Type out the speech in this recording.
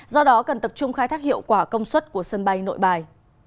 do đó cần tập trung khai thác hiệu quả công suất của sân bay nội bài